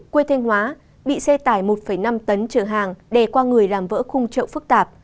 quê thanh hóa bị xe tải một năm tấn chở hàng đè qua người làm vỡ khung trậu phức tạp